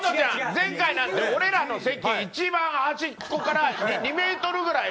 前回なんか、俺らの席一番端っこから２ｍぐらい。